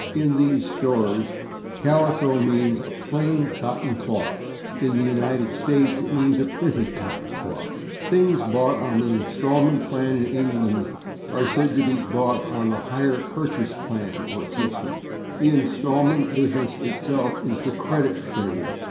In these stores /calico/ means a plain cotton cloth; in the United States it means a printed cotton cloth. Things bought on the instalment plan in England are said to be bought on the /hire purchase/ plan or system; the instalment business itself is the /credit trade